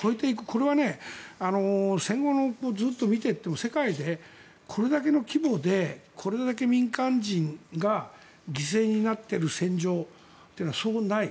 これは戦後をずっと見ていっても世界でこれだけの規模でこれだけ民間人が犠牲になっている戦場というのはそうない。